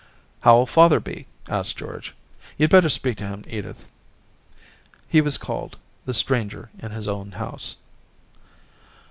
*How'll father be?* asked George. 'You'd better speak to him, Edith.' He was called, the stranger in his own house.